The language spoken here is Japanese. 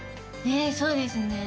えっそうですね